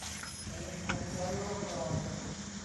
แต่ยังคงไร้ร่องรอย